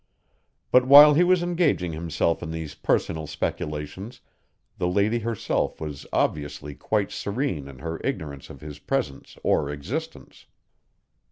But while he was engaging himself in these personal speculations the lady herself was obviously quite serene in her ignorance of his presence or existence.